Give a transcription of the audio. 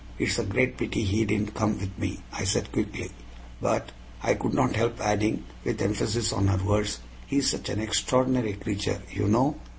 It's a great pity he didn't come with me," I said quickly; "but," I could not help adding, with emphasis on her words, "he is such an 'extraordinary creature,' you know."